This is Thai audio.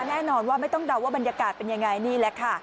แน่นอนว่าไม่ต้องเดาว่าบรรยากาศเป็นยังไงนี่แหละค่ะ